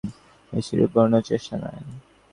উহাতে অবনতির চিহ্নমাত্র নাই, বেশী রূপক-বর্ণনার চেষ্টা নাই।